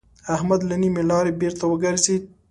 احمد له نيمې لارې بېرته وګرځېد.